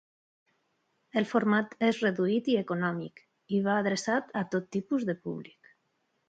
El format és reduït i econòmic, i va adreçat a tot tipus de públic.